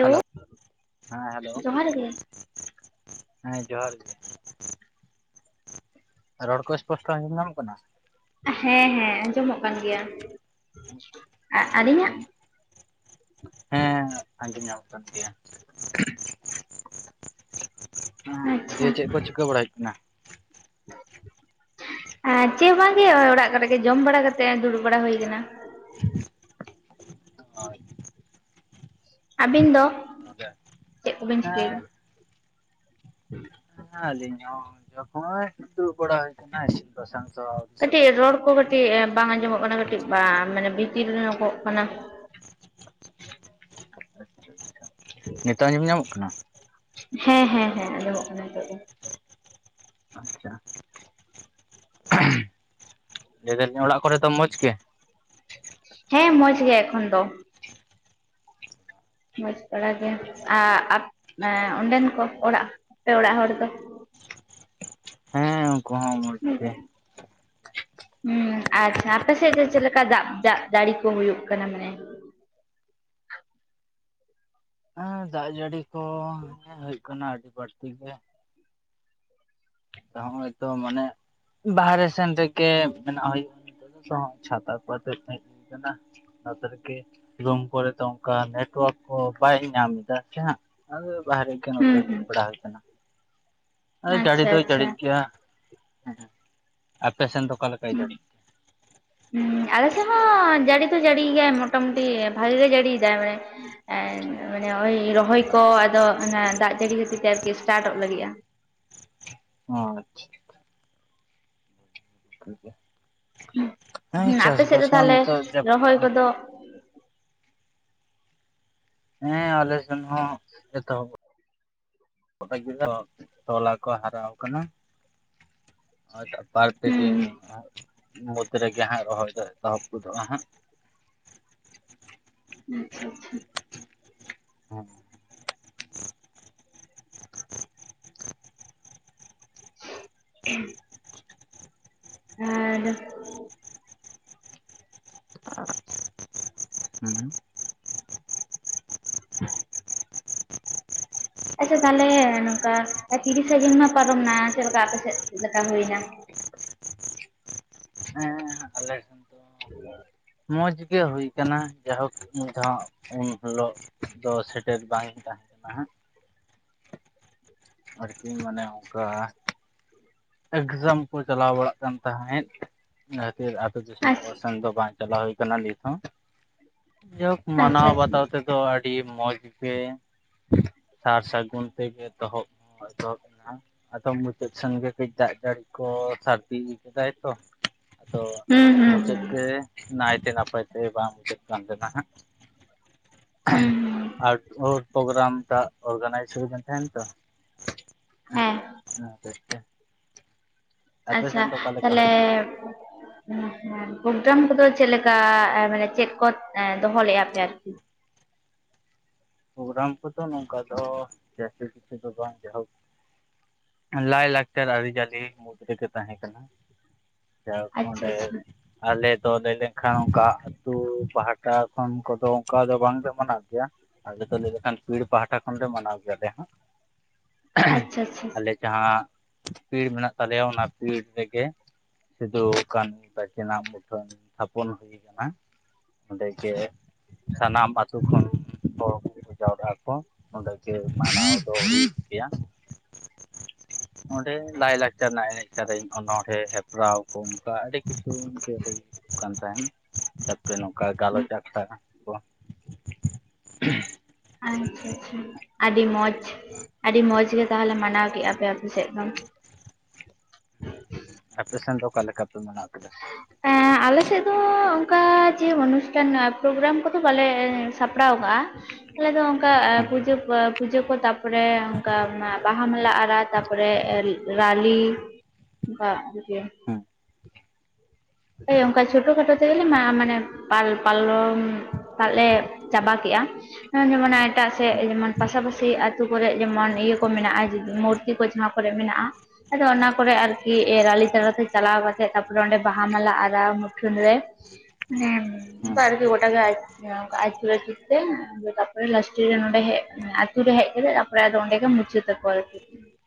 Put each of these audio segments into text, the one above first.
Hello ᱦᱮᱸ hello ᱡᱚᱦᱟᱨ ᱜᱮ ᱦᱮᱸ ᱡᱚᱦᱟᱨ ᱜᱮ। ᱨᱚᱲ ᱠᱚ ᱚᱥᱯᱚᱥᱴᱚ ᱟᱸᱡᱚᱢ ᱧᱟᱢᱚᱜ ᱠᱟᱱᱟ ᱦᱮᱸ ᱦᱮᱸ ᱟᱸᱡᱚᱢᱚᱜ ᱠᱟᱱ ᱜᱮᱭᱟ ᱾ ᱦᱩᱸ ᱦᱮᱸ ᱟᱸᱡᱚᱢ ᱧᱟᱢᱚᱜ ᱠᱟᱱ ᱜᱮᱭᱟ ᱾ ᱮᱸᱜ ᱟᱪᱪᱷᱟ ᱫᱤᱭᱟᱹ ᱪᱮᱫ ᱠᱚ ᱪᱤᱠᱟᱹ ᱵᱟᱲᱟ ᱦᱩᱭᱩᱜ ᱠᱟᱱᱟ? ᱮᱸ ᱪᱮᱫ ᱦᱚᱸ ᱵᱟᱝ ᱜᱮ ᱚᱲᱟᱜ ᱠᱚᱨᱮᱜᱮ ᱡᱚᱢ ᱵᱟᱲᱟ ᱠᱟᱛᱮᱜ ᱫᱩᱲᱩᱵ ᱵᱟᱲᱟ ᱦᱩᱭ ᱠᱟᱱᱟ ᱾ ᱟᱹᱵᱤᱱ ᱫᱚ ᱪᱮᱫ ᱠᱚ ᱵᱤᱱ ᱪᱤᱠᱟᱹᱭᱮᱫᱟ? ᱦᱮᱸ ᱦᱮᱸ ᱟᱹᱞᱤᱧ ᱦᱚᱸ ᱱᱚᱜᱼᱚᱭ ᱫᱩᱲᱩᱵ ᱵᱟᱲᱟ ᱦᱚᱭ ᱠᱟᱱᱟ ᱤᱥᱤᱱ ᱵᱟᱥᱟᱝ ᱫᱚ ᱠᱟᱹᱴᱤᱡ ᱥᱟᱹᱛᱟᱹᱜ ᱜᱮᱭᱟ ᱨᱚᱲ ᱠᱚ ᱱᱤᱛᱦᱚᱸ᱾ ᱠᱟᱹᱴᱤᱡ ᱵᱟᱝ ᱟᱸᱡᱚᱢᱚᱜ ᱠᱟᱱᱟ ᱠᱟᱹᱴᱤᱡ ᱵᱟᱝ ᱢᱟᱱᱮ ᱵᱷᱤᱛᱤᱨ ᱧᱚᱸᱜᱚᱜ ᱠᱟᱱᱟ ᱾ ᱱᱤᱛᱚᱜ ᱟᱸᱡᱚᱢ ᱧᱟᱢᱚᱜ ᱠᱟᱱᱟ ᱾ ᱦᱮᱸ ᱦᱮᱸ ᱦᱮᱸ ᱟᱸᱡᱚᱢᱚᱜ ᱠᱟᱱᱟ ᱱᱤᱛᱚᱜ ᱫᱚ ᱾ ᱟᱪᱪᱷᱟ ᱞᱟᱹᱭ ᱫᱟᱞᱤᱧ ᱚᱲᱟᱜ ᱠᱚᱨᱮ ᱫᱚ ᱢᱚᱡᱽ ᱜᱮ? ᱦᱮᱸ ᱢᱚᱡᱽ ᱜᱮ ᱮᱠᱷᱚᱱ ᱫᱚ ᱾ ᱢᱚᱡᱽ ᱵᱟᱲᱟ ᱜᱮ ᱟ ᱟᱨ ᱮᱸ ᱚᱸᱰᱮᱱ ᱠᱚ ᱚᱲᱟᱜ ᱟᱯᱮ ᱚᱲᱟᱜ ᱦᱚᱲ ᱫᱚ ᱦᱮᱸ ᱩᱱᱠᱩ ᱦᱚᱸ ᱢᱚᱡᱽ ᱜᱮ ᱾ ᱦᱩᱸ ᱟᱪᱪᱷᱟ ᱟᱯᱮ ᱥᱮᱫ ᱫᱚ ᱪᱮᱫ ᱞᱮᱠᱟ ᱫᱟᱜ ᱫᱟᱜ ᱡᱟᱹᱲᱤ ᱠᱚ ᱦᱩᱭᱩᱜ ᱠᱟᱱᱟ ᱢᱟᱱᱮ? ᱦᱮᱸ ᱫᱟᱜ ᱡᱟᱹᱲᱤ ᱠᱚ ᱦᱮᱸ ᱦᱩᱭᱩᱜ ᱠᱟᱱᱟ ᱟᱹᱰᱤ ᱵᱟᱹᱲᱛᱤ ᱜᱮ। ᱦᱚᱸᱜ-ᱚᱭ ᱛᱚ ᱢᱟᱱᱮ ᱵᱟᱨᱦᱮ ᱥᱮᱱ ᱛᱷᱮᱠᱮ ᱢᱮᱱᱟᱜ ᱦᱩᱭᱩᱜ। [unintelligible] ᱪᱷᱟᱛᱟ ᱠᱚ ᱟᱛᱮᱡ ᱦᱮᱡ ᱠᱟᱱᱟ ᱪᱷᱟᱸᱫ ᱨᱮᱜᱮ ᱨᱩᱢ ᱠᱚᱨᱮ ᱫᱚ ᱚᱱᱠᱟ ᱱᱮᱴᱣᱟᱨᱠ ᱠᱚ ᱵᱟᱭ ᱧᱟᱢ ᱮᱫᱟ ᱥᱮ ᱦᱟᱸᱜ ᱾ ᱟᱫᱚ ᱵᱟᱦᱨᱮ ᱜᱮ ᱦᱩᱸ ᱱᱚᱛᱮ ᱦᱩᱸ ᱫᱩᱲᱩᱵ ᱵᱟᱲᱟ ᱦᱩᱭ ᱠᱟᱱᱟ ᱟᱫᱚ ᱡᱟᱹᱲᱤ ᱟᱪᱪᱷᱟ ᱫᱚ ᱾ ᱟᱪᱪᱷᱟ ᱡᱟ ᱟᱯᱮ ᱥᱮᱱ ᱫᱚ ᱚᱠᱟ ᱞᱮᱠᱟᱭ ᱦᱩᱸ ᱡᱟᱹᱲᱤ ᱾ ᱦᱩᱸ ᱟᱞᱮ ᱥᱮᱫ ᱦᱚᱸ ᱡᱟᱹᱲᱤ ᱛᱚ ᱡᱟᱹᱲᱤᱭᱮᱫ ᱜᱮᱭᱟᱭ ᱢᱚᱴᱟᱢᱩᱴᱤ ᱵᱷᱟᱜᱮ ᱜᱮ ᱡᱟᱹᱲᱤᱭᱮᱫᱟᱭ ᱢᱟᱱᱮ ᱾ ᱮᱸᱜ ᱢᱟᱱᱮ ᱳᱭ ᱨᱚᱦᱚᱭ ᱠᱚ ᱟᱫᱚ ᱚᱱᱟ ᱫᱟᱜ ᱡᱟᱹᱲᱤ ᱠᱷᱟᱹᱛᱤᱨ ᱛᱮ ᱟᱨᱠᱤ ᱮᱥᱴᱟᱴᱚᱜ ᱞᱟᱹᱜᱤᱫᱼᱟ। ᱚ ᱟᱪᱪᱷᱟ ᱦᱮᱸ ᱪᱟᱥᱵᱟᱥ ᱢᱟᱱ ᱱᱤᱛᱚᱜ ᱡᱟᱯᱩᱫ ᱚᱚᱭ ᱠᱚᱫᱚ ᱦᱮᱸ ᱟᱞᱮᱥᱮᱱ ᱦᱚᱸ ᱮᱛᱚᱦᱚᱵ ᱜᱚᱴᱟ ᱜᱤᱫᱽᱨᱟᱹ ᱛᱚᱞᱟ ᱠᱚ ᱦᱟᱨᱟᱣ ᱠᱟᱱᱟ ᱟᱪᱪᱷᱟ ᱵᱟᱨ ᱯᱮ ᱦᱩᱸ ᱫᱤᱱ ᱢᱩᱫᱽ ᱨᱮᱜᱮ ᱦᱟᱸᱜ ᱨᱚᱦᱚᱭ ᱫᱚ ᱮᱛᱚᱦᱚᱵ ᱜᱚᱫᱚᱜ-ᱟ ᱦᱟᱸᱜᱼᱼ ᱟᱪᱪᱷᱟ ᱟᱪᱪᱷᱟ [unintelligible] [inaudible] [unintelligible] [inaudible] ᱟᱪᱪᱷᱟ ᱛᱟᱦᱚᱞᱮ ᱱᱚᱝᱠᱟ ᱛᱤᱨᱤᱥᱟ ᱡᱩᱱ ᱢᱟ ᱯᱟᱨᱚᱢ ᱮᱱᱟ ᱪᱮᱫ ᱞᱮᱠᱟ ᱟᱯᱮ ᱥᱮᱫ ᱪᱮᱫ ᱞᱮᱠᱟ ᱦᱩᱭᱱᱟ ᱦᱮᱸᱻ ᱟᱞᱮ ᱼᱼ [inaudible] ᱢᱚᱸᱡᱽ ᱜᱮ ᱦᱩᱭ ᱠᱟᱱᱟ ᱡᱟᱭᱦᱳᱠ ᱢᱤᱫ ᱫᱷᱟᱣ ᱩᱱ ᱦᱤᱞᱳᱜ ᱫᱚ ᱥᱮᱴᱮᱨ ᱵᱟᱝ ᱛᱟᱦᱮᱸ ᱠᱟᱱᱟ ᱦᱟᱸᱜ ᱟᱨᱠᱤ ᱢᱟᱱᱮ ᱚᱱᱠᱟ ᱮᱠᱡᱟᱢ ᱠᱚ ᱪᱟᱞᱟᱣ ᱵᱟᱲᱟᱜ ᱠᱟᱱ ᱛᱟᱦᱮᱸᱫ ᱚᱱᱟ ᱠᱷᱟᱹᱛᱤᱨ ᱟᱹᱛᱳ ᱫᱤᱥᱚᱢ ᱠᱚ ᱟᱪᱪᱷᱟ ᱥᱮᱱ ᱫᱚ ᱵᱟᱝ ᱪᱟᱞᱟᱣ ᱦᱩᱭ ᱠᱟᱱᱟ ᱱᱤᱛ ᱦᱚᱸ ᱡᱟᱭᱦᱳᱠᱼᱼ ᱟᱪᱪᱷᱟ ᱢᱟᱱᱟᱣ ᱟᱪᱪᱷᱟ ᱵᱟᱛᱟᱣ ᱛᱮᱼᱼ ᱫᱚ ᱟᱹᱰᱤ ᱢᱚᱡᱽ ᱜᱮ ᱥᱟᱨ ᱥᱟᱹᱜᱩᱱ ᱛᱮ ᱜᱮ ᱫᱚ ᱦᱚᱼᱼ ᱮᱛᱚᱦᱚᱵ ᱮᱱᱟ ᱟᱫᱚᱢ ᱢᱩᱪᱟᱹᱫ ᱥᱮᱱ ᱜᱮ ᱠᱟᱹᱡ ᱫᱟᱜ ᱡᱟᱹᱲᱤ ᱠᱚ ᱥᱟᱹᱨᱫᱤ ᱤᱫᱤ ᱠᱮᱫᱟᱭ ᱛᱚ ᱟᱫᱚ ᱦᱩᱸ ᱦᱩᱸ ᱢᱩᱪᱟᱹᱫ ᱦᱩᱸ ᱜᱮ ᱱᱟᱭᱛᱮ ᱱᱟᱯᱟᱭᱛᱮ ᱵᱟᱝ ᱢᱩᱪᱟᱹᱫ ᱠᱟᱱ ᱛᱟᱦᱮᱱᱟ ᱦᱟᱸᱜ ᱦᱩᱸ ᱦᱩᱸ [unintelligible] ᱟᱨ ᱯᱨᱳᱜᱨᱟᱢ ᱴᱟᱜ ᱚᱨᱜᱟᱱᱟᱭᱤᱡ ᱦᱩᱭ ᱛᱟᱦᱮᱱ ᱛᱚ ᱦᱮᱸ [unintelligible] ᱟᱯᱮ ᱟᱪᱪᱷᱟ ᱥᱮᱱ ᱫᱚ ᱚᱠᱟ ᱞᱮᱠᱟ ᱛᱟᱦᱚᱞᱮᱼᱼ ᱦᱩᱭᱱᱟ ᱦᱮᱸ ᱯᱨᱳᱜᱨᱟᱢ ᱠᱚᱫᱚ ᱪᱮᱫ ᱞᱮᱠᱟ ᱢᱟᱱᱮ ᱪᱮᱫ ᱠᱚ ᱫᱚᱦᱚ ᱞᱮᱫ-ᱟ ᱯᱮ ᱟᱨᱠᱤ ᱯᱨᱳᱜᱨᱟᱢ ᱠᱚᱫᱚ ᱱᱚᱝᱠᱟ ᱫᱚ ᱡᱟᱹᱥᱛᱤ ᱠᱤᱪᱷᱩ ᱫᱚ ᱵᱟᱝ ᱡᱟᱭᱦᱳᱠᱼᱼ ᱞᱟᱭ ᱞᱟᱠᱪᱟᱨ ᱟᱹᱨᱤᱪᱟᱹᱞᱤ ᱢᱩᱫᱽ ᱨᱮᱜᱮ ᱛᱟᱦᱮᱸ ᱠᱟᱱᱟ ᱡᱟᱠ ᱟᱪᱪᱷᱟ ᱚᱸᱰᱮᱼᱼ ᱟᱪᱪᱷᱟ ᱟᱞᱮ ᱫᱚ ᱞᱟᱹᱭ ᱞᱮᱱ ᱠᱷᱟᱱ ᱚᱱᱠᱟ ᱟᱹᱛᱩ ᱯᱟᱦᱴᱟ ᱠᱷᱚᱱ ᱠᱚᱫᱚ ᱚᱱᱠᱟ ᱫᱚ ᱵᱟᱝᱞᱮ ᱢᱮᱱᱟᱜ ᱜᱮᱭᱟ ᱟᱞᱮ ᱫᱚ ᱞᱟᱹᱭ ᱞᱮᱠᱷᱟᱱ ᱯᱤᱲ ᱯᱟᱦᱴᱟ ᱠᱷᱚᱱᱞᱮ ᱢᱟᱱᱟᱣ ᱜᱮᱭᱟᱞᱮ ᱦᱟᱸᱜ ᱟᱪᱪᱷᱟ ᱟᱪᱪᱷᱟ ᱟᱞᱮ ᱡᱟᱦᱟᱸ ᱯᱤᱲ ᱢᱮᱱᱟᱜ ᱛᱟᱞᱮᱭᱟ ᱚᱱᱟ ᱯᱤᱲ ᱛᱮᱜᱮᱼᱼ ᱥᱤᱫᱩ ᱠᱟᱹᱱᱩ ᱛᱟᱠᱤᱱ ᱟᱜ ᱢᱩᱴᱷᱟᱹᱱ ᱛᱷᱟᱯᱚᱱ ᱦᱩᱭ ᱠᱟᱱᱟ᱾ ᱚᱸᱰᱮ ᱜᱮ ᱥᱟᱱᱟᱢ ᱟᱛᱳ ᱠᱷᱚᱱᱼ ᱦᱚᱲ ᱠᱚ ᱡᱟᱣᱨᱟᱜ-ᱟ ᱠᱚ ᱚᱸᱰᱮ ᱜᱮ ᱢᱟᱱᱟᱣ ᱫᱚ ᱦᱩᱭᱩᱜ ᱜᱮᱭᱟ [inaudible] ᱚᱸᱰᱮ ᱞᱟᱭ ᱞᱟᱠᱪᱟᱨ ᱨᱮᱱᱟᱜ ᱮᱱᱮᱡ ᱚᱱᱚᱲᱦᱮᱸ ᱦᱮᱯᱨᱟᱣ ᱠᱚ ᱚᱱᱠᱟ ᱟᱹᱰᱤ ᱠᱤᱪᱷᱩ ᱤᱱᱠᱟᱹ ᱦᱩᱭ ᱠᱟᱱ ᱛᱟᱦᱮᱱ ᱡᱟᱛᱮ ᱱᱚᱝᱠᱟ ᱜᱟᱞᱚᱪ ᱟᱠᱷᱲᱟ ᱱᱟᱜ ᱠᱚᱼᱼ ᱟᱪᱪᱷᱟ ᱟᱪᱪᱷᱟ ᱟᱹᱰᱤ ᱢᱚᱡᱽ ᱟᱹᱰᱤ ᱢᱚᱸᱡᱽ ᱜᱮ ᱛᱟᱦᱚᱞᱮ ᱢᱟᱱᱟᱣ ᱠᱮᱫ-ᱟ ᱯᱮ ᱟᱯᱮ ᱥᱮᱫ ᱫᱚᱼᱼ ᱮᱯᱮ ᱥᱮᱱ ᱫᱚ ᱚᱠᱟ ᱞᱮᱠᱟ ᱯᱮ ᱢᱟᱱᱟᱣ ᱠᱮᱫᱟ ᱮᱸ ᱟᱞᱮ ᱥᱮᱫ ᱫᱚ ᱚᱱᱠᱟ ᱡᱮ ᱚᱱᱩᱥᱴᱷᱟᱱ ᱯᱨᱳᱜᱨᱟᱢ ᱠᱚᱫᱚ ᱵᱟᱞᱮ ᱥᱟᱯᱲᱟᱣ ᱠᱟᱜ-ᱟ᱾ ᱟᱞᱮ ᱫᱚ ᱚᱱᱠᱟ ᱦᱮᱸ ᱯᱩᱡᱟᱹ ᱯᱩᱡᱟᱹ ᱠᱚ ᱛᱟᱯᱼᱼ ᱛᱟᱨᱯᱚᱨᱮ ᱚᱱᱠᱟ ᱵᱟᱦᱟ ᱢᱟᱞᱟ ᱟᱨᱟᱜ ᱛᱟᱨᱯᱚᱨᱮ ᱨᱟᱞᱤ ᱚᱱᱠᱟ [unintelligible] [unintelligible] [inaudible] ᱦᱳᱭ ᱚᱱᱠᱟ ᱪᱷᱳᱴᱳ ᱠᱷᱟᱴᱳ ᱛᱮᱜᱮᱞᱮ ᱢᱟ ᱢᱟᱱᱮ ᱯᱟᱞ ᱯᱟᱞᱚᱱ ᱫᱟᱜ ᱞᱮ ᱪᱟᱵᱟ ᱠᱮᱫ-ᱟ ᱱᱚᱭ ᱡᱮᱢᱚᱱ ᱮᱼᱼ ᱮᱴᱟᱜ ᱥᱮᱫ ᱦᱮᱸ ᱡᱮᱢᱚᱱ ᱯᱟᱥᱟ ᱯᱟᱥᱤ ᱟᱛᱳ ᱠᱚᱨᱮ ᱡᱮᱢᱚᱱ ᱤᱭᱟᱹ ᱠᱚ ᱢᱮᱱᱟᱜ-ᱟ ᱢᱩᱨᱛᱤ ᱠᱚ ᱡᱟᱦᱟᱸ ᱠᱚᱨᱮ ᱢᱮᱱᱟᱜ-ᱟ ᱟᱫᱚ ᱚᱱᱟ ᱠᱚᱨᱮ ᱟᱨᱠᱤ ᱨᱟᱞᱤ ᱛᱟᱞᱟ ᱛᱮ ᱪᱟᱞᱟᱣ ᱠᱟᱛᱮᱜ ᱛᱟᱨᱯᱚᱨᱮ ᱚᱸᱰᱮ ᱵᱟᱦᱼᱼ ᱦᱟᱢᱞᱟ ᱟᱨᱟᱣ ᱢᱩᱴᱷᱟᱹᱱ ᱨᱮ ᱢᱟᱱᱮ ᱦᱮᱸ ᱩᱱᱠᱩ ᱟᱨᱠᱤ ᱜᱚᱴᱟ ᱜᱮ ᱟᱨ ᱚᱝᱠᱟ ᱟᱹᱪᱩᱨ ᱟᱹᱪᱩᱨ ᱛᱮ ᱛᱟᱨᱯᱚᱨᱮ ᱞᱟᱥᱴᱮ ᱨᱮ ᱱᱚᱰᱮ ᱦᱮᱡ ᱟᱹᱪᱩᱨᱮ ᱦᱮᱡ ᱠᱟᱛᱮ ᱦᱳᱭ ᱟᱫᱚ ᱟᱸᱰᱮ ᱜᱮ ᱢᱩᱪᱚᱫ ᱛᱮᱠᱚ᱾ [inaudible]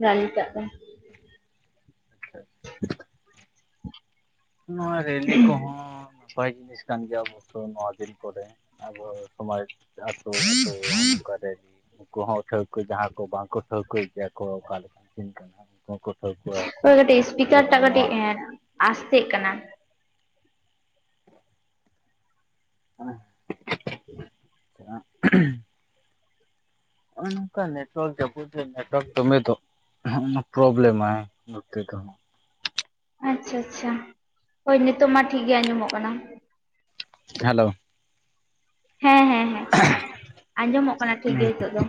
ᱱᱟᱱᱤᱴᱟᱜ ᱛᱮ [inaudible] ᱱᱚᱣᱟ ᱨᱮᱞᱤ ᱠᱚ ᱦᱚᱸ ᱱᱟᱯᱟᱭ ᱡᱤᱱᱤᱥ, ᱠᱟᱱ ᱜᱮᱭᱟ ᱳᱵᱳᱥᱳ ᱱᱚᱣᱟ ᱫᱤᱱ ᱠᱚᱨᱮ ᱟᱵᱚ ᱥᱚᱢᱟᱡ ᱟᱛᱳ ᱱᱚᱝᱠᱟᱨᱮ ᱜᱤ ᱱᱩᱠᱩ ᱦᱚᱸ ᱴᱷᱟᱹᱣᱠᱟᱹ ᱡᱟᱦᱟᱸ ᱠᱚ ᱵᱟᱝᱠᱚ ᱴᱷᱟᱹᱣᱠᱟᱹᱭᱮᱜ ᱜᱮᱭᱟ ᱠᱚ ᱚᱠᱟ ᱞᱮᱠᱟᱱ ᱫᱤᱱ ᱠᱟᱱᱟ ᱩᱱᱠᱩ ᱦᱚᱸᱠᱚ ᱴᱷᱟᱹᱣᱠᱟᱹ ᱟᱠᱚ ᱦᱳᱭ ᱠᱟᱹᱴᱤᱡ ᱡᱮ ᱤᱥᱯᱤᱠᱟᱨ ᱵᱟᱝ ᱴᱟᱜ ᱱᱚᱣᱟ ᱠᱟᱹᱴᱤᱡ ᱮ ᱟᱥᱛᱮᱜ ᱠᱟᱱᱟ᱾ [inaudible] [inaudible] [unintelligible] ᱱᱚᱜ ᱚᱭ ᱱᱚᱝᱠᱟ ᱱᱮᱴᱣᱟᱨᱠ ᱡᱟᱯᱩᱫ ᱨᱮ ᱱᱮᱴᱣᱟᱨᱠ ᱫᱚᱢᱮ ᱫᱚ ᱦᱚᱜ ᱱᱟ ᱯᱨᱚᱵᱞᱮᱢᱟᱭ ᱱᱚᱛᱮ ᱫᱚ᱾ ᱟᱪᱪᱷᱟ ᱟᱪᱪᱷᱟ ᱦᱳᱭ ᱱᱤᱳᱚᱜ ᱢᱟ ᱴᱷᱤᱠᱜᱮ ᱟᱸᱡᱚᱢᱚᱜ ᱠᱟᱱᱟ᱾ ᱦᱮᱞᱳ ᱦᱮᱸ ᱦᱮᱸ ᱦᱮᱸ ᱟᱸᱡᱚᱢᱚᱜ ᱠᱟᱱᱟ ᱴᱷᱤᱠ ᱜᱮ ᱦᱤᱛᱳᱜ ᱫᱚ᱾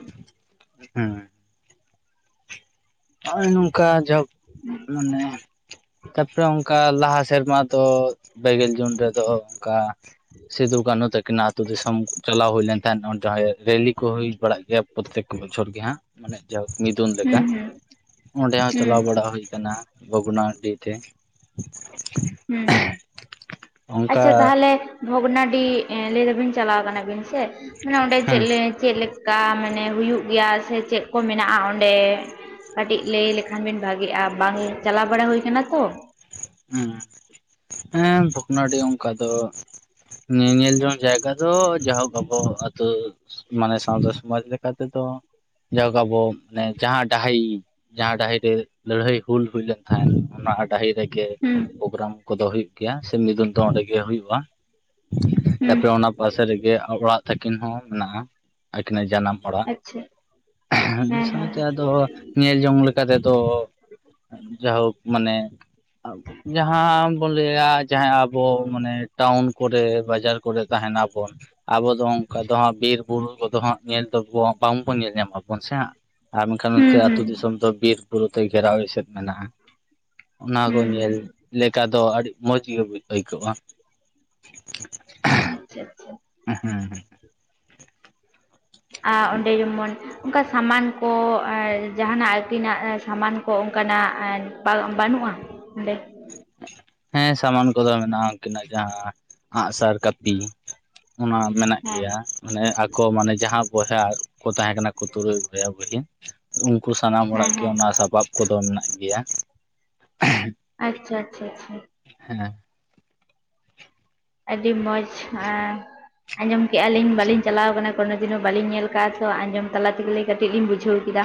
ᱦᱮᱸ ᱱᱚᱜᱚᱭ ᱱᱚᱝᱠᱟ ᱡᱟ ᱦᱳᱚ ᱢᱟᱱᱮ ᱛᱟᱯᱚᱨᱮ ᱠᱟ ᱞᱟᱦᱟ ᱥᱮᱨᱢᱟ ᱫᱚ ᱵᱮᱜᱮᱞ ᱡᱩᱱ ᱨᱮᱫᱚ ᱚᱝᱠᱟ ᱥᱤᱫᱩ ᱠᱟᱹᱱᱩ ᱛᱟᱹᱠᱤ ᱱᱟᱜ ᱟᱛ ᱛᱩ ᱫᱤᱥᱚᱢ ᱪᱟᱞᱟᱣ ᱦᱩᱭ ᱞᱮᱱ ᱛᱟᱦᱮᱱ ᱚᱸᱰᱮ ᱦᱚᱸ ᱨᱮᱞᱤ ᱠᱚ ᱦᱩᱭ ᱵᱟᱲᱟᱜ ᱜᱮᱭᱟ ᱯᱨᱚᱛᱛᱮᱠ ᱵᱚᱪᱷᱚᱨ ᱜᱮ ᱦᱟᱸᱜ, ᱢᱟᱱᱮ ᱡᱚᱦᱳᱠ ᱢᱤᱫᱩᱱ ᱞᱮᱠᱟ᱾ ᱦᱩᱸ ᱦᱩᱸ ᱚᱸᱰᱮ ᱦᱚᱸ ᱦᱩᱸ ᱪᱟᱞᱟᱣ ᱵᱟᱲᱟ ᱦᱩᱭ ᱠᱟᱱᱟ ᱵᱷᱚᱜᱱᱟ ᱰᱤ ᱛᱮ᱾ ᱦᱩᱸ ᱚᱱᱠᱟ ᱟᱪᱪᱷᱟ ᱛᱟᱦᱞᱮ ᱵᱷᱚᱜᱽᱱᱟᱰᱤ ᱮ ᱞᱟᱹᱭ ᱫᱟᱵᱤᱱ ᱪᱟᱞᱟᱣ ᱠᱟᱱᱟᱵᱤᱱ ᱥᱮ ᱢᱟᱱᱮ ᱚᱸᱰᱮ ᱦᱮᱸ ᱪᱮᱫ ᱞᱮ ᱪᱮᱜ ᱞᱮᱠᱟ ᱢᱟᱱᱮ ᱦᱩᱭᱩᱜ ᱜᱮᱭᱟ ᱥᱮ ᱪᱮᱜ ᱠᱚ ᱢᱮᱱᱟᱜ-ᱟ ᱚᱸᱰᱮ? ᱠᱟᱹᱴᱤᱡ ᱞᱟᱹᱭ ᱞᱮᱠᱷᱟᱱ ᱵᱤᱱ ᱵᱷᱟᱜᱮᱜ-ᱟ ᱵᱟᱝ ᱪᱟᱞᱟᱣ ᱵᱟᱲᱟ ᱦᱩᱭ ᱠᱟᱱᱟ ᱛᱚ᱾ ᱦᱩᱢᱸ ᱦᱮᱸ ᱵᱷᱚᱜᱽᱱᱟᱰᱤ ᱚᱝᱠᱟ ᱫᱚ ᱧᱮᱧᱮᱞ ᱡᱚᱝ ᱡᱟᱭᱜᱟ ᱫᱚ ᱡᱟᱦᱳᱠ ᱟᱵᱚ ᱛᱚ ᱢᱟᱱᱮ ᱥᱟᱶᱛᱟ ᱥᱚᱢᱟᱡᱽ ᱞᱮᱠᱟ ᱛᱮᱫᱚ ᱡᱟᱦᱳᱠ ᱟᱵᱚ ᱢᱟᱱᱮ ᱡᱟᱦᱟᱸ ᱰᱟᱦᱤ ᱡᱟᱦᱟᱸ ᱰᱟᱦᱤ ᱨᱮ ᱞᱟᱹᱲᱦᱟᱹᱭ ᱦᱩᱞ ᱦᱩᱭ ᱞᱮᱱ ᱛᱟᱦᱮᱱ ᱚᱱᱟ ᱰᱟᱹᱦᱤ ᱨᱮᱜᱮ ᱦᱩᱸ ᱯᱨᱳᱜᱨᱟᱢ ᱠᱚᱫᱚ ᱦᱩᱭᱩᱜ ᱜᱮᱭᱟ ᱥᱮ ᱢᱤᱫᱩᱱ ᱫᱚ ᱚᱱᱰᱮᱜᱮ ᱦᱩᱭᱩᱜ-ᱟ᱾ ᱦᱩᱸ ᱛᱟᱯᱚᱨᱮ ᱚᱱᱟ ᱯᱟᱥᱮ ᱨᱮᱜᱮ ᱚᱲᱟᱜ ᱛᱟᱹᱠᱤᱱ ᱦᱚᱸ ᱢᱮᱱᱟᱜ-ᱟ ᱟᱹᱠᱤᱱᱟᱜ ᱡᱟᱱᱟᱢ ᱚᱲᱟᱜ ᱟᱪᱪᱷᱟ ᱮᱦᱮᱢ ᱢᱤᱜ ᱦᱮᱸ ᱥᱚᱸᱜᱮ ᱦᱮᱸ ᱛᱮ ᱟᱫᱚ ᱧᱮᱞ ᱡᱚᱝ ᱞᱮᱠᱟ ᱛᱮᱫᱚ ᱡᱟᱭᱦᱳᱠ ᱢᱟᱱᱮ ᱡᱟᱦᱟᱸ ᱵᱚᱱ ᱞᱟᱹᱭᱟ ᱡᱟᱦᱟᱸ ᱟᱵᱚ ᱢᱟᱱᱮ ᱴᱟᱣᱩᱱ ᱠᱚᱨᱮ ᱵᱟᱡᱟᱨ ᱠᱚᱨᱮ ᱛᱟᱦᱮᱱᱟ ᱵᱚᱱ, ᱟᱵᱚ ᱫᱚ ᱚᱝᱠᱟ ᱫᱚ ᱦᱟᱸᱜ ᱵᱤᱨ ᱵᱩᱨᱩ ᱠᱚ ᱫᱚ ᱦᱟᱸᱜ ᱧᱮᱞ ᱫᱚ ᱵᱟᱝᱵᱚᱱ ᱧᱮᱞ ᱧᱟᱢᱟᱵᱚᱱ ᱥᱮ ᱦᱟᱸᱜ, ᱟᱨ ᱢᱮᱝᱠᱷᱟᱱ ᱦᱩᱸ ᱱᱚᱛᱮ ᱦᱩᱸ ᱟᱹᱛᱩ ᱫᱤᱥᱚᱢ ᱫᱚ ᱵᱤᱨ ᱵᱩᱨᱩ ᱛᱮ ᱜᱷᱮᱨᱟᱣ ᱮᱥᱮᱫ ᱢᱮᱱᱟᱜ-ᱟ᱾ᱚᱱᱟ ᱦᱩᱸ ᱠᱚ ᱧᱮᱞ ᱞᱮᱠᱟ ᱫᱚ ᱟᱹᱰᱤ ᱢᱚᱡᱽ ᱜᱮ ᱟᱹᱭᱠᱟᱹᱜ-ᱟ᱾ ᱟᱪᱪᱷᱟ ᱟᱪᱪᱷᱟ ᱩᱸ ᱦᱩᱸ ᱦᱩᱸ ᱦᱩᱸᱜ ᱟ ᱚᱸᱰᱮ ᱡᱮᱢᱚᱱ ᱚᱱᱠᱟ ᱥᱟᱢᱟᱱ ᱠᱚ ᱡᱟᱦᱟᱱᱟᱜ ᱟᱹᱠᱤᱱᱟᱜ ᱥᱟᱢᱟᱱ ᱠᱚ ᱚᱱᱠᱟᱱᱟᱜ ᱵᱟᱹᱱᱩᱜ-ᱟ᱾ [unintelligible] ᱦᱮᱸ ᱥᱟᱢᱟᱱ ᱠᱚᱫᱚ ᱢᱮᱱᱟᱜ-ᱟ ᱟᱠᱤᱱᱟᱜ ᱡᱟᱦᱟᱸ᱾ ᱟᱸᱜᱥᱟᱨ ᱠᱟᱹᱯᱤ ᱚᱱᱟ ᱢᱮᱱᱟᱜ ᱦᱮᱸ ᱜᱮᱭᱟ᱾ ᱢᱟᱱᱮ ᱟᱠᱚ ᱢᱟᱱᱮ ᱡᱟᱦᱟᱸ ᱵᱚᱭᱦᱟ ᱠᱚ ᱛᱟᱦᱮᱸ ᱠᱟᱱᱟ ᱠᱚ ᱛᱩᱨᱩᱭ ᱵᱚᱭᱦᱟ ᱵᱚᱭᱦᱤᱱ᱾ ᱩᱱᱠᱩ ᱥᱟᱱᱟᱢ ᱦᱮᱸ ᱦᱚᱲᱟᱜ ᱜᱮ ᱦᱮᱸ ᱚᱱᱟ ᱥᱟᱯᱟᱵ ᱠᱚᱫᱚ ᱢᱮᱱᱟᱜ ᱜᱮᱭᱟ᱾ ᱟᱪᱪᱷᱟ ᱟᱪᱪᱷᱟ ᱟᱪᱪᱷᱟ᱾ ᱦᱮᱸ ᱟᱹᱰᱤ ᱢᱚᱡᱽ ᱮᱸ ᱟᱸᱡᱚᱢ ᱠᱮᱜ-ᱟ ᱞᱤᱧ ᱵᱟᱹᱞᱤᱧ ᱪᱟᱞᱟᱣ ᱠᱟᱱᱟ ᱠᱳᱱᱳ ᱫᱤᱱ ᱦᱚᱸ ᱵᱟᱹᱞᱤᱧ ᱧᱮᱞ ᱠᱟᱜ-ᱟ ᱛᱚ ᱟᱸᱡᱚᱢ ᱛᱟᱞᱟ ᱛᱮᱜᱮᱞᱤᱧ ᱠᱟᱹᱴᱤᱡ ᱞᱤᱧ ᱵᱩᱡᱷᱟᱹᱣ ᱠᱮᱫᱟ᱾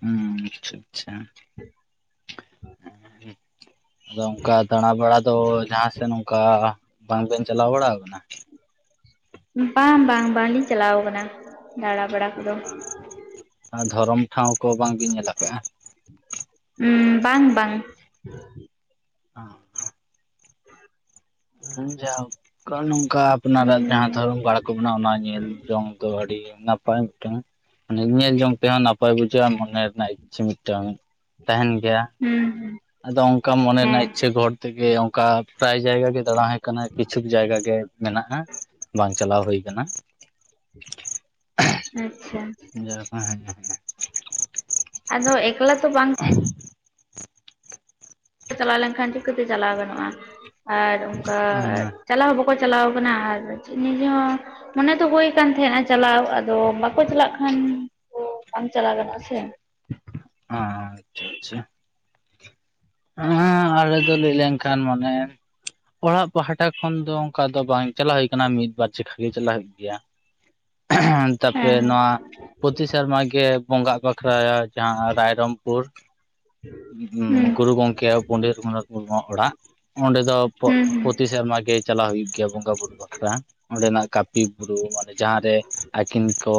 ᱦᱩᱸ ᱟᱪᱪᱷᱟ ᱟᱪᱪᱷᱟ ᱾ ᱟᱫᱚ ᱚᱱᱠᱟ ᱫᱟᱬᱟ ᱵᱟᱲᱟ ᱫᱚ ᱡᱟᱦᱟᱸ ᱥᱮᱫ ᱚᱱᱠᱟ ᱵᱟᱝ ᱵᱮᱱ ᱪᱟᱞᱟᱣ ᱵᱟᱲᱟ ᱟᱠᱟᱱᱟ᱾ ᱵᱟᱝ ᱵᱟᱝ ᱵᱟᱝᱞᱤᱧ ᱪᱟᱞᱟᱣ ᱟᱠᱟᱱᱟ ᱫᱟᱬᱟ ᱵᱟᱲᱟ ᱠᱚᱫᱚ᱾ ᱟᱨ ᱫᱷᱚᱨᱚᱢ ᱴᱷᱟᱶ ᱠᱚ ᱵᱟᱝ ᱵᱤᱱ ᱧᱮᱞᱟᱠᱟᱜ-ᱟ᱾ ᱩᱸ ᱵᱟᱝ ᱵᱟᱝ᱾ ᱚᱸ ᱦᱮᱸ ᱡᱟᱦᱳᱠ ᱱᱚᱝᱠᱟ ᱩᱸ ᱟᱯᱱᱟᱨᱟᱜ ᱡᱟᱦᱟᱸ᱾ ᱫᱷᱚᱨᱚᱢ ᱜᱟᱲ ᱠᱚ ᱢᱮᱱᱟᱜ-ᱟ ᱚᱱᱟ ᱧᱮᱞ ᱡᱚᱝ ᱫᱚ ᱟᱹᱰᱤ ᱱᱟᱯᱟᱭ ᱢᱤᱫᱴᱟᱱ᱾ ᱢᱟᱱᱮ ᱧᱮᱞ ᱡᱚᱝ ᱛᱮᱦᱚᱸ ᱱᱟᱯᱟᱭ ᱵᱩᱡᱷᱟᱹᱜ-ᱟ ᱢᱚᱱᱮ ᱨᱮᱱᱟᱜ ᱤᱪᱪᱷᱟᱹ ᱢᱤᱫ ᱴᱟᱝ ᱛᱟᱦᱮᱱ ᱜᱮᱭᱟ᱾ ᱦᱩᱸ ᱦᱩᱸ ᱟᱫᱚ ᱚᱱᱠᱟ ᱢᱚᱱᱮ ᱨᱮᱱᱟᱜ ᱦᱮᱸ ᱤᱪᱷᱟᱹ ᱜᱚᱨ ᱛᱮᱜᱮ ᱚᱱᱠᱟ ᱯᱨᱟᱭ ᱡᱟᱭᱜᱟ ᱜᱮ ᱫᱟᱬᱟ᱾ ᱠᱟᱱᱟ ᱠᱤᱪᱷᱩ ᱡᱟᱭᱜᱟ ᱜᱮ ᱢᱮᱱᱟᱜ-ᱟ ᱵᱟᱝ ᱪᱟᱞᱟᱣ ᱦᱩᱭ ᱟᱠᱟᱱᱟ᱾ ᱟᱪᱪᱷᱟ ᱟᱪᱪᱷᱟ ᱡᱟᱭᱦᱳᱠ [inaudible] ᱟᱫᱚ ᱮᱠᱞᱟ ᱛᱚ ᱵᱟᱝ᱾ [unintelligible] ᱪᱟᱞᱟᱣ ᱞᱮᱱᱠᱷᱟᱱ ᱪᱤᱠᱟᱹ ᱛᱮ ᱪᱟᱞᱟᱣ ᱜᱟᱱᱚᱜ-ᱟ ᱟᱨ ᱚᱱᱠᱟ᱾ ᱪᱟᱞᱟᱣ ᱦᱚᱸ ᱵᱟᱠᱚ ᱪᱟᱞᱟᱣ ᱠᱟᱱᱟ ᱟᱨ ᱪᱮᱫ ᱱᱤᱡᱮ ᱦᱚᱸ᱾ ᱢᱚᱱᱮ ᱫᱚ ᱦᱩᱭ ᱠᱟᱱ ᱛᱟᱦᱮᱸᱜ-ᱟ ᱪᱟᱞᱟᱣ ᱟᱫᱚ ᱵᱟᱠᱚ ᱪᱟᱞᱟᱜ ᱠᱷᱟᱱ᱾ ᱚᱸ ᱵᱟᱝ ᱪᱟᱞᱟᱣ ᱜᱟᱱᱚᱜ-ᱟ ᱥᱮ᱾ ᱚᱸ ᱟᱪᱪᱷᱟ ᱟᱪᱪᱷᱟ᱾ ᱦᱮ ᱟᱞᱮ ᱫᱚ ᱞᱟᱹᱭ ᱞᱮᱱᱠᱷᱟᱱ ᱢᱟᱱᱮ᱾ ᱚᱲᱟᱜ ᱯᱟᱦᱴᱟ ᱠᱷᱚᱱ ᱫᱚ ᱚᱱᱠᱟ ᱫᱚ ᱵᱟᱝ ᱪᱟᱞᱟᱣ ᱦᱩᱭ ᱟᱠᱟᱱᱟ ᱢᱤᱫᱵᱟᱨ ᱪᱟᱠᱷᱟ ᱜᱮ ᱪᱟᱞᱟᱣ ᱦᱩᱭᱩᱜ ᱜᱮᱭᱟ᱾ [unintelligible] ᱦᱮᱸ ᱛᱟᱯᱚᱨᱮ ᱱᱚᱣᱟ ᱯᱚᱛᱤ ᱥᱮᱨᱢᱟ ᱜᱮ ᱵᱚᱸᱜᱟᱜ ᱵᱟᱠᱷᱲᱟᱭᱟ ᱡᱟᱦᱟᱸ ᱨᱟᱭᱨᱚᱝᱯᱩᱨ᱾ ᱩᱸ ᱦᱩᱸ ᱜᱩᱨᱩ ᱜᱚᱝᱠᱮ ᱯᱚᱱᱰᱤᱛ ᱨᱟᱹᱜᱷᱩᱱᱟᱛᱷ ᱢᱩᱨᱢᱩᱣᱟᱜ ᱚᱲᱟᱜ᱾ ᱚᱸᱰᱮ ᱫᱚ ᱦᱩᱸ ᱦᱩᱸ ᱯᱚᱛᱤ ᱥᱮᱨᱢᱟ ᱜᱮ ᱪᱟᱞᱟᱜ ᱦᱩᱭᱩᱜ ᱜᱮᱭᱟ ᱵᱚᱸᱜᱟ ᱵᱩᱨᱩ ᱵᱟᱠᱷᱨᱟ ᱚᱸᱰᱮᱱᱟᱜ ᱠᱟᱯ᱾ ᱵᱤᱨ ᱵᱩᱨᱩ ᱢᱟᱱᱮ ᱡᱟᱦᱟᱸ ᱨᱮ ᱟᱹᱠᱤᱱ ᱠᱚ᱾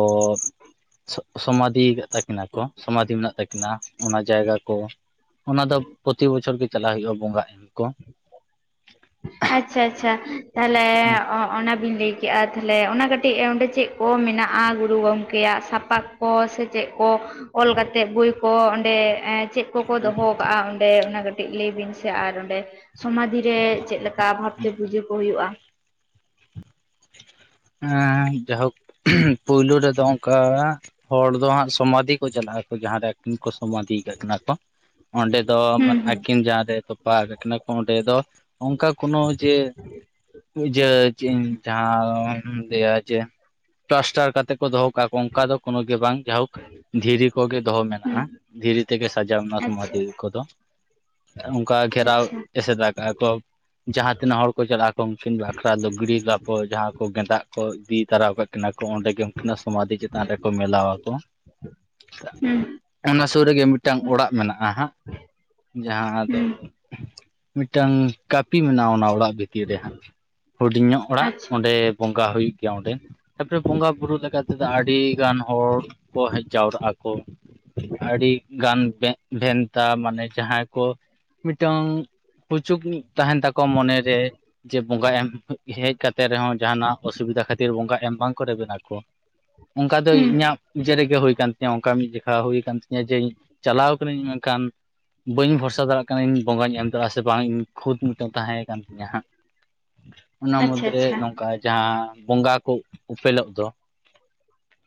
ᱥᱚᱢᱟᱫᱷᱤ ᱟᱠᱟᱫ ᱛᱟᱹᱠᱤᱱᱟ ᱠᱚ ᱥᱚᱢᱟᱫᱷᱤ ᱢᱮᱱᱟᱜ ᱛᱟᱹᱠᱤᱱᱟ ᱚᱱᱟ ᱡᱟᱭᱜᱟ ᱠᱚ᱾ ᱚᱱᱟ ᱫᱚ ᱯᱚᱛᱤ ᱵᱚᱪᱷᱚᱨ ᱜᱮ ᱪᱟᱞᱟᱜ ᱦᱩᱭᱩᱜ-ᱟ ᱵᱚᱸᱜᱟ ᱮᱢ ᱠᱚ᱾ ᱟᱪᱪᱷᱟ ᱟᱪᱪᱷᱟ ᱛᱟᱦᱞᱮ ᱚᱱᱟ ᱵᱤᱱ ᱞᱟᱹᱭ᱾ ᱠᱮᱜ-ᱟ ᱛᱟᱦᱚᱞᱮ ᱚᱱᱟ ᱠᱟᱹᱴᱤᱡ ᱚᱸᱰᱮ ᱪᱮᱫ ᱠᱚ ᱢᱮᱱᱟᱜ-ᱟ ᱜᱩᱨᱩ ᱜᱚᱝᱠᱮᱭᱟᱜ ᱥᱟᱯᱟᱵ ᱠᱚ ᱥᱮ ᱪᱮᱫ ᱠᱚ᱾ ᱚᱞ ᱠᱟᱛᱮᱜ ᱵᱳᱭ ᱠᱚ ᱚᱸᱰᱮ ᱮᱸ᱾ ᱪᱮᱫ ᱠᱚᱠᱚ ᱫᱚᱦᱚ ᱠᱟᱜ-ᱟ ᱚᱸᱰᱮ ᱚᱱᱟ ᱠᱟᱹᱴᱤᱡ ᱞᱟᱹᱭ ᱵᱤᱱ ᱥᱮ ᱟᱨ ᱚᱸᱰᱮ ᱥᱚᱢᱟᱫᱷᱤ ᱨᱮ᱾ ᱚᱠᱟ ᱵᱷᱟᱵᱽ ᱛᱮ ᱯᱩᱡᱟᱹ ᱠᱚ ᱦᱩᱭᱩᱜ-ᱟ᱾ ᱮᱸᱻ ᱡᱟᱭᱦᱳᱠ᱾ ᱯᱩᱭᱞᱩ ᱨᱮᱫᱚ ᱚᱱᱠᱟ, ᱦᱚᱲ ᱫᱚ ᱦᱟᱸᱜ ᱥᱚᱢᱟᱫᱷᱤ ᱠᱚ ᱪᱟᱞᱟᱜ ᱟᱠᱚ᱾ ᱡᱟᱦᱟᱸ ᱨᱮ ᱩᱱ ᱠᱚ ᱥᱚᱢᱟᱫᱷᱤ ᱟᱠᱟᱜ ᱠᱤᱱᱟ ᱠᱚ᱾ ᱚᱸᱰᱮ ᱫᱚ, ᱟᱹᱠᱤᱱ ᱡᱟᱦᱟᱸ ᱨᱮ ᱛᱚᱯᱟ ᱟᱠᱟᱫ ᱠᱤᱱᱟ ᱠᱚ ᱚᱸᱰᱮ ᱫᱚ ᱚᱱᱠᱟ ᱠᱚᱱᱚ ᱡᱮ, ᱯᱩᱡᱟᱹᱭ ᱤᱧ ᱡᱟᱦᱟᱸᱧ ᱞᱟᱹᱭᱼᱟ ᱡᱮ, ᱯᱞᱟᱥᱴᱟᱨ ᱠᱟᱛᱮ ᱠᱚ ᱫᱚᱦᱚ ᱠᱚ ᱚᱱᱠᱟ ᱫᱚ ᱠᱳᱱᱳ ᱜᱮ ᱵᱟᱝ ᱡᱟᱭᱦᱳᱠ᱾ ᱫᱷᱤᱨᱤ ᱠᱚᱜᱮ ᱫᱚᱦᱚ ᱢᱮᱱᱟᱜᱼᱟ, ᱫᱷᱤᱨᱤ ᱛᱮᱜᱮ ᱥᱟᱡᱟᱣ ᱚᱱᱟ ᱥᱚᱢᱟᱫᱷᱤ ᱠᱚᱫᱚ᱾ ᱚᱱᱠᱟ ᱜᱷᱮᱨᱟᱣ, ᱮᱥᱮᱫᱼᱟ ᱠᱟᱜᱼᱟ ᱠᱚ᱾ ᱡᱟᱦᱟᱸ ᱛᱤᱱᱟᱹᱜ ᱦᱚᱲ ᱠᱚ ᱪᱟᱞᱟᱜᱼᱟ ᱠᱚ ᱩᱱᱠᱤᱱ ᱵᱟᱠᱷᱨᱟ ᱫᱚ ᱞᱩᱜᱽᱲᱤᱡ ᱞᱟᱯᱚ ᱡᱟᱦᱟᱸ ᱠᱚ ᱜᱮ ᱫᱟᱜ ᱠᱚ ᱤᱫᱤ ᱛᱚᱨᱟᱣ ᱠᱟᱜ ᱠᱤᱱᱟ ᱠᱚ, ᱚᱸᱰᱮ ᱜᱮ ᱜᱮ ᱩᱱᱠᱤᱱᱟ ᱥᱚᱢᱟᱫᱷᱤ ᱪᱮᱛᱟᱱ ᱨᱮᱠᱚ ᱢᱮᱞᱟᱣᱟᱠᱚ᱾ ᱚᱱᱟ ᱥᱩᱨ ᱨᱮᱜᱮ ᱢᱤᱫᱴᱟᱝ ᱚᱲᱟᱜ ᱢᱮᱱᱟᱜᱼᱟ ᱦᱟᱸᱜ᱾ ᱡᱟᱦᱟᱸ ᱫᱚ ᱢᱤᱫᱴᱟᱝ ᱠᱟᱹᱯᱤ ᱢᱮᱱᱟᱜᱼᱟ, ᱚᱱᱟ ᱚᱲᱟᱜ ᱵᱷᱤᱛᱤᱨ ᱨᱮ ᱦᱟᱸᱜ᱾ ᱦᱩᱰᱤᱧ ᱧᱚᱜ ᱚᱲᱟᱜ, ᱚᱸᱰᱮ ᱵᱚᱸᱜᱟ ᱦᱩᱭᱩᱜ ᱜᱮᱭᱟ ᱚᱸᱰᱮ, ᱛᱟᱯᱚᱨᱮ ᱵᱚᱸᱜᱟ ᱵᱩᱨᱩ ᱞᱮᱠᱟ ᱛᱮᱫᱚ ᱟᱹᱰᱤᱜᱟᱱ ᱦᱚᱲ ᱠᱚ ᱦᱮᱡ ᱡᱟᱣᱨᱟᱜ ᱟᱠᱚ᱾ ᱟᱹᱰᱤ ᱜᱟᱱ ᱵᱮᱱᱼᱵᱷᱮᱱᱛᱟ ᱢᱟᱱᱮ ᱡᱟᱦᱟᱸᱭ ᱠᱚ ᱢᱤᱫᱴᱟᱝ, ᱯᱩᱪᱩᱜᱱᱤ ᱛᱟᱦᱮᱱ ᱛᱟᱠᱚ ᱢᱚᱱᱮ ᱨᱮ ᱡᱮ ᱵᱚᱸᱜᱟ ᱮᱢ ᱦᱮᱡ ᱠᱟᱛᱮ ᱨᱮᱦᱚᱸ ᱡᱟᱦᱟᱱᱟᱜ ᱚᱥᱩᱵᱤᱫᱷᱟ ᱠᱷᱟᱹᱛᱤᱨ ᱵᱚᱸᱜᱟ ᱮᱢ ᱵᱟᱝ ᱠᱚ ᱨᱮᱵᱮᱱᱟ ᱠᱚ᱾ ᱚᱱᱠᱟ ᱫᱚ ᱤᱧᱟᱹᱜ ᱱᱤᱡᱮ ᱨᱮᱜᱮ ᱦᱩᱭ ᱟᱠᱟᱱ ᱛᱤᱧᱟᱹ ᱚᱱᱠᱟ ᱢᱤᱫ ᱡᱚᱠᱷᱟ ᱦᱩᱭ ᱟᱠᱟᱱ ᱛᱤᱧᱟᱹ ᱡᱮᱭ, ᱪᱟᱞᱟᱣ ᱠᱟᱹᱱᱟᱹᱧ ᱢᱮᱱᱠᱷᱟᱱ ᱵᱟᱹᱧ ᱵᱷᱚᱨᱥᱟ ᱫᱟᱲᱮᱭᱟᱜ ᱠᱟᱱᱟ ᱤᱧ ᱵᱚᱸᱜᱟᱧ ᱮᱢ ᱫᱟᱲᱮᱭᱟᱜᱼᱟ ᱥᱮ ᱵᱟᱝ ᱤᱧ ᱠᱷᱩᱫ ᱢᱤᱫᱴᱮᱱ ᱛᱟᱦᱮᱸᱠᱟᱱ ᱛᱤᱧᱟᱹ ᱦᱟᱸᱜ᱾᱾ [inaudible] ᱚᱱᱟ ᱢᱩᱫᱽᱨᱮ ᱱᱚᱝᱠᱟ ᱡᱟᱦᱟᱸ, ᱵᱚᱸᱜᱟ ᱠᱚ ᱩᱯᱮᱞᱚᱜ ᱫᱚ᱾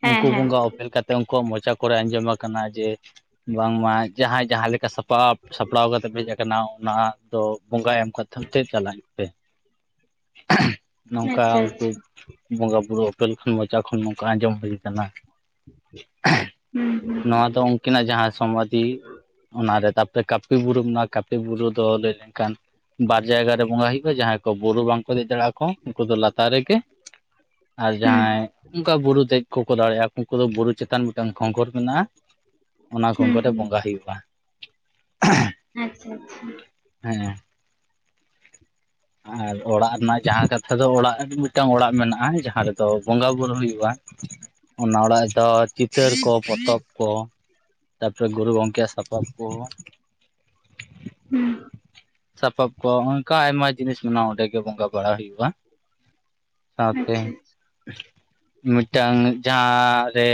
ᱩᱱᱠᱩ ᱵᱚᱸᱜᱟ ᱚᱯᱮᱞ ᱠᱟᱛᱮ ᱩᱱᱠᱩᱣᱟᱜ ᱢᱚᱪᱟ ᱠᱚᱨᱮ ᱟᱸᱡᱚᱢ ᱟᱠᱟᱱᱟ ᱡᱮ, ᱵᱟᱝᱢᱟ ᱡᱟᱦᱟᱸᱭ ᱡᱟᱦᱟᱸ ᱞᱮᱠᱟ ᱥᱟᱯᱟᱯ ᱥᱟᱯᱲᱟᱣ ᱠᱟᱛᱮ ᱯᱮ ᱦᱮᱡ ᱟᱠᱟᱱᱟ ᱚᱱᱟ ᱫᱚ ᱵᱚᱸᱜᱟ ᱮᱢ ᱠᱟᱛᱷᱟᱞ ᱛᱮ ᱪᱟᱞᱼᱟᱭ ᱤᱧ ᱯᱮ᱾ ᱱᱚᱝᱠᱟ ᱩᱱᱠᱩ ᱵᱚᱸᱜᱟ ᱵᱩᱨᱩ ᱚᱯᱮᱞ ᱠᱷᱚᱱ ᱢᱚᱪᱟ ᱠᱷᱚᱱ ᱱᱚᱝᱠᱟ ᱟᱸᱡᱚᱢ ᱦᱩᱭ ᱠᱟᱱᱟ᱾ [unintelligible] ᱱᱚᱣᱟ ᱫᱚ ᱩᱱᱠᱤᱱᱟᱜ ᱡᱟᱦᱟᱸ ᱥᱚᱢᱟᱫᱷᱤ ᱚᱱᱟᱨᱮ ᱛᱟᱯ ᱠᱟᱹᱯᱤ ᱵᱩᱨᱩ ᱢᱮᱱᱟᱜᱼᱟ, ᱠᱟᱹᱯᱤ ᱵᱩᱨᱩ ᱫᱚ ᱞᱟᱹᱭ ᱞᱮᱱᱠᱷᱟᱱ ᱵᱟᱨ ᱡᱟᱭᱜᱟ ᱨᱮ ᱵᱚᱸᱜᱟ ᱦᱩᱭᱩᱜᱼᱟ, ᱡᱟᱦᱟᱸᱭ ᱠᱚ ᱵᱩᱨᱩ ᱵᱟᱝ ᱫᱮᱡ ᱫᱟᱲᱮ ᱟᱠᱚ ᱩᱱᱠᱩ ᱫᱚ ᱞᱟᱛᱟᱨ ᱨᱮᱜᱮ, ᱟᱨ ᱡᱟᱦᱟᱸᱭ ᱚᱱᱠᱟ ᱵᱩᱨᱩ ᱫᱮᱡ ᱠᱚᱠᱚ ᱫᱟᱲᱮᱭᱟᱜᱼᱟ, ᱩᱱᱠᱩ ᱫᱚ ᱵᱩᱨᱩ ᱪᱮᱛᱟᱱ ᱢᱤᱫᱴᱟᱝ ᱠᱷᱚᱸᱠᱚᱨ ᱢᱮᱱᱟᱜᱼᱟ᱾ ᱚᱱᱟ ᱠᱷᱚᱸᱠᱚᱨ ᱨᱮ ᱵᱚᱸᱜᱟ ᱦᱩᱭᱩᱜᱼᱟ᱾ ᱟᱪᱪᱷᱟ ᱟᱪᱪᱷᱟ᱾ ᱦᱮᱸ᱾ ᱟᱨ ᱚᱲᱟᱜ ᱨᱮᱱᱟᱜ ᱡᱟᱦᱟᱸ ᱠᱟᱛᱷᱟ ᱫᱚ ᱚᱲᱟᱜ, ᱢᱤᱫᱴᱟᱝ ᱚᱲᱟᱜ ᱢᱮᱱᱟᱜᱼᱟ, ᱡᱟᱦᱟᱸ ᱨᱮᱫᱚ ᱵᱚᱸᱜᱟ ᱵᱩᱨᱩ ᱦᱩᱭᱩᱜᱼᱟ᱾ ᱚᱱᱟ ᱚᱲᱟᱜ ᱫᱚ ᱪᱤᱛᱟᱹᱨ ᱠᱚ, ᱯᱚᱛᱚᱵ ᱠᱚ᱾ ᱛᱟᱨᱯᱚᱨᱮ ᱜᱩᱨᱩ ᱜᱚᱝᱠᱮᱭᱼᱟᱜ ᱥᱟᱯᱟᱯ ᱠᱚ᱾ ᱦᱩᱸ᱾ ᱥᱟᱯᱟᱯ ᱠᱚ ᱚᱱᱠᱟ ᱟᱭᱢᱟ ᱡᱤᱱᱤᱥ ᱢᱮᱱᱟᱜᱼᱟ, ᱚᱸᱰᱮ ᱜᱮ ᱵᱚᱸᱜᱟ ᱵᱟᱲᱟ ᱦᱩᱭᱩᱜᱼᱟ᱾ ᱥᱟᱶᱛᱮ, ᱢᱤᱫᱴᱟᱝ ᱡᱟᱦᱟᱸ ᱨᱮ